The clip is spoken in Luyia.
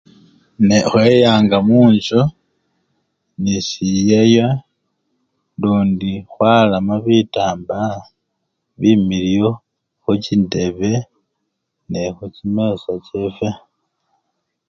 Ne! khweyanga munjju nesiyeywe lundi khwalamo bitambala bimiliyu khuchindebe nekhuchimesa chefwe.